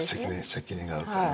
責任があるからね。